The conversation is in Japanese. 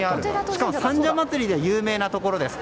しかも三社祭で有名なところです。